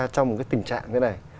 trong một cái tình trạng thế này